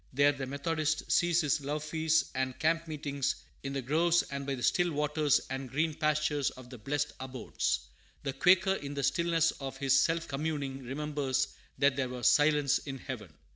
There the Methodist sees his love feasts and camp meetings in the groves and by the still waters and green pastures of the blessed abodes. The Quaker, in the stillness of his self communing, remembers that there was "silence in heaven."